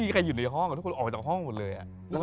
ใครอยู่ในห้องทุกคนออกไปจากห้องหมดเลย